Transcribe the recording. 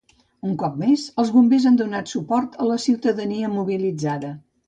Un cop més, els bombers han donat suport a la ciutadania mobilitzada.